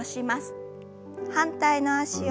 反対の脚を。